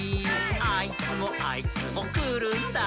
「あいつもあいつもくるんだ」